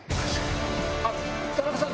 あっ田中さん